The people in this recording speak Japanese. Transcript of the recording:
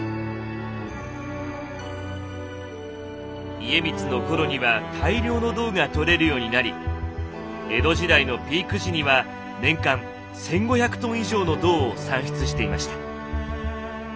家光の頃には大量の銅が採れるようになり江戸時代のピーク時には年間１，５００ｔ以上の銅を産出していました。